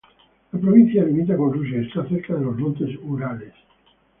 La provincia limita con Rusia y está cerca de los montes Urales.